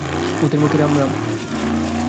ভূতের মুখে রাম নাম।